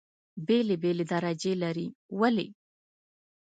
بېلې بېلې درجې لري. ولې؟